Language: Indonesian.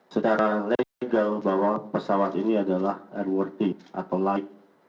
sejarah legal bahwa pesawat ini adalah airworthy atau laik